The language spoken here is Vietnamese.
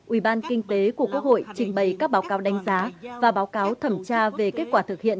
ủy ban kinh tế của quốc hội trình bày các báo cáo đánh giá và báo cáo thẩm tra về kết quả thực hiện